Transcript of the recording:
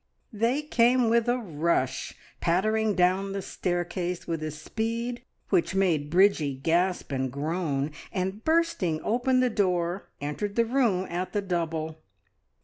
They came with a rush, pattering down the staircase with a speed which made Bridgie gasp and groan, and bursting open the door entered the room at the double.